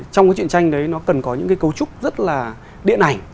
trong cái chuyện tranh đấy nó cần có những cái cấu trúc rất là điện ảnh